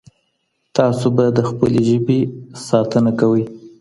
تاسو به د خپلي ژبي ساتنه کوئ.